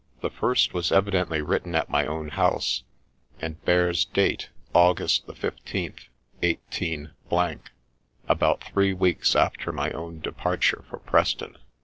The first was evidently written at my own house, and bears date August the 15th, 18 —, about three weeks after my own departure for Preston.